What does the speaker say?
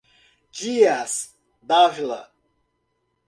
Dias d'Ávila